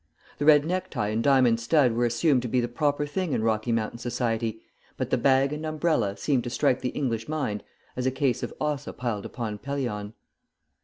The red necktie and diamond stud were assumed to be the proper thing in Rocky Mountain society, but the bag and umbrella seemed to strike the English mind as a case of Ossa piled upon Pelion.